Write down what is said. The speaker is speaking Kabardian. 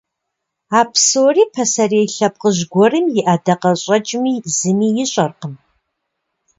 А псори пасэрей лъэпкъыжь гуэрым и ӀэдакъэщӀэкӀми зыми ищӀэркъым.